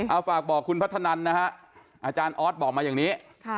เอาฝากบอกคุณพัฒนันนะฮะอาจารย์ออสบอกมาอย่างนี้